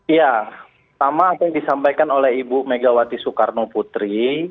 ya pertama apa yang disampaikan oleh ibu megawati soekarno putri